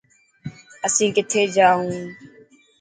اسين ڪٿي جائون.